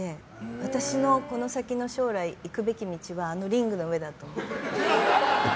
私のこの先の将来行くべき道はあのリングの上だと。